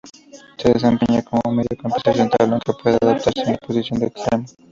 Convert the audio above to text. Se desempeña como mediocampista central, aunque puede adaptarse en la posición de extremo.